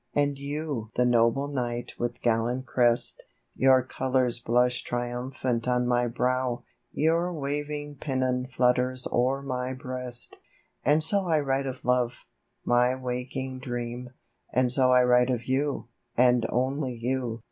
And you the noble knight with gallant crest ; Your colours blush triumphant on my brow, Your waving pennon flutters o'er my breast ! And so I write of Love — my waking dream, And so I write of you, and only you.